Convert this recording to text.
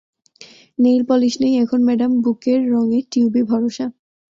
Nail polish নেই, এখন madam ব্যুকের রঙের টিউবই ভরসা।